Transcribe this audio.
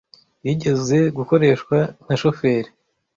yigeze gukoreshwa nka shoferi